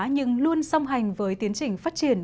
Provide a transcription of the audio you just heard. nhưng luôn song hành với tiến trình phát triển